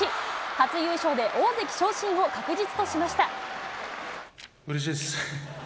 初優勝で大関昇進を確実としましうれしいです。